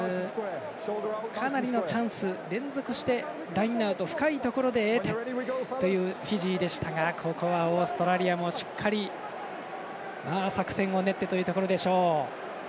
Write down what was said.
かなりのチャンス、連続してラインアウト深いところで得たというフィジーでしたがここはオーストラリアもしっかり作戦を練ってというところでしょう。